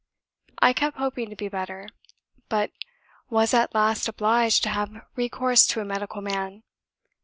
I kept hoping to be better, but was at last obliged to have recourse to a medical man.